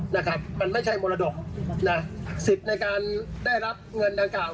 นะครับมันไม่ใช่มรดกนะสิทธิ์ในการได้รับเงินดังกล่าว